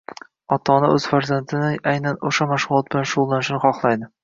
ota-ona o‘z farzandini aynan o‘sha mashg‘ulot bilan shug‘ullanishini xohlaydi